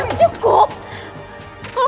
mas cukup cukup berhenti berhenti